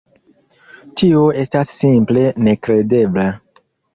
Tio estas simple nekredebla!